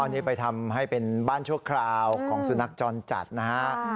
นี่ไปทำให้เป็นบ้านชั่วคราวของสุนัขจรจัดนะฮะ